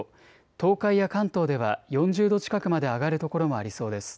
東海や関東では４０度近くまで上がる所もありそうです。